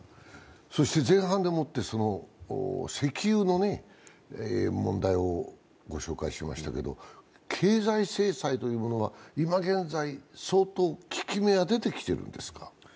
前半でもって、石油の問題を御紹介しましたが、経済制裁というものが今現在、相当効き目は出てきてるんですか？